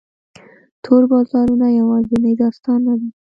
تور بازارونه یوازینی داستان نه دی.